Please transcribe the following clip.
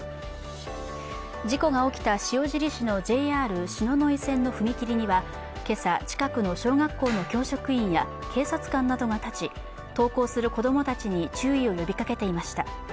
事故が起きた塩尻市のＪＲ篠ノ井線の踏切には今朝、近くの小学校の教職員や警察官などが立ち登校する子供たちに注意を呼びかけていました。